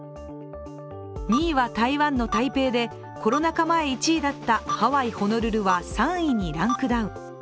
２位は台湾の台北で、コロナ禍前１位だったハワイ・ホノルルは３位にランクダウン。